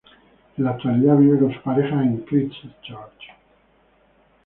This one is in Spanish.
En la actualidad vive con su pareja en Christchurch.